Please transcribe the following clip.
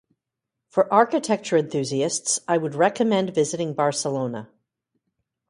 For architecture enthusiasts, I would recommend visiting Barcelona.